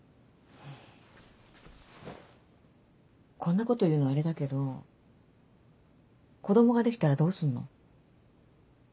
こんなこと言うのあれだけど子供ができたらどうすんの？